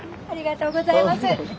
ありがとうございます。